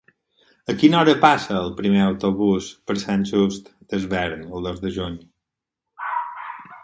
A quina hora passa el primer autobús per Sant Just Desvern el dos de juny?